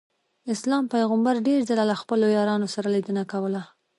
اسلام پیغمبر ډېر ځله له خپلو یارانو سره لیدنه کوله.